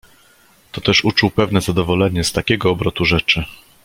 "To też uczuł pewne zadowolenie z takiego obrotu rzeczy."